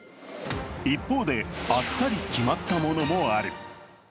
一方で、あっさり決まったものもある。